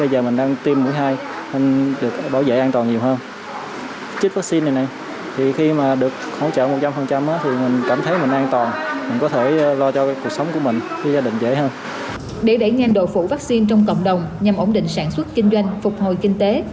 để đẩy nhanh độ phủ vaccine trong cộng đồng nhằm ổn định sản xuất kinh doanh phục hồi kinh tế